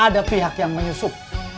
ada pihak yang menyusup